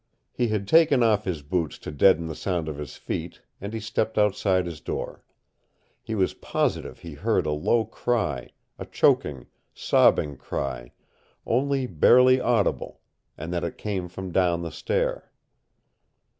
He had taken off his boots to deaden the sound of his feet, and he stepped outside his door. He was positive he heard a low cry, a choking, sobbing cry, only barely audible, and that it came from down the stair.